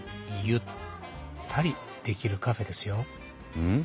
うん？